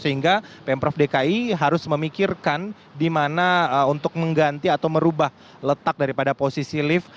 sehingga pemprov dki harus memikirkan di mana untuk mengganti atau merubah letak daripada posisi lift